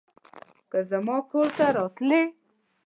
که زما کور ته راتلې